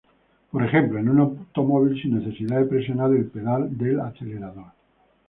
Por ejemplo, en un automóvil, sin necesidad de presionar el pedal del acelerador.